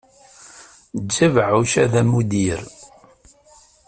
Eǧǧ abeɛɛuc-a d amuddir.